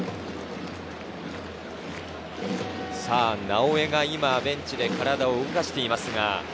直江が今ベンチで体を動かしています。